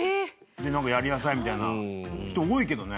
でなんかやりなさいみたいな人多いけどね。